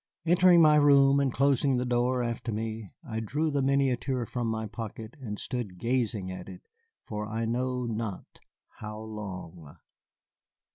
Entering my room and closing the door after me, I drew the miniature from my pocket and stood gazing at it for I know not how long.